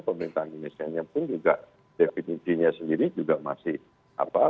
pemerintahan indonesia nya pun juga definisinya sendiri juga masih apa